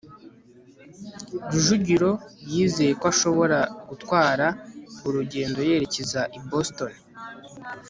rujugiro yizeye ko ashobora gutwara urugendo yerekeza i boston